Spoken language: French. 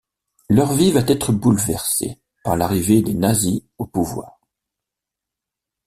Leur vie va être bouleversée par l'arrivée des Nazis au pouvoir.